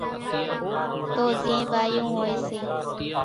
تو زين ٻايون ھوئي سي